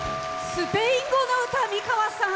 スペイン語の歌、美川さん。